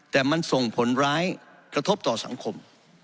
แต่มันส่งผลร้ายกระทบต่อสังคม